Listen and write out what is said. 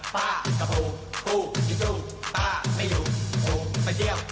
ป้านะปูปู้อีจุป้าไม่อยู่จะเล่า